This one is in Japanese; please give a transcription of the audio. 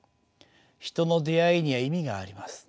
人の出会いには意味があります。